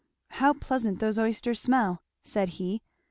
"How pleasant those oysters smell," said he.